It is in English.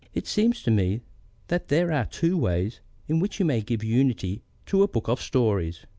It seems to me that there am two ways in which you may give unity to a book of stories.